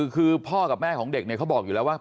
คือพ่อกับแม่ของเด็กเนี่ยเขาบอกอยู่แล้วว่า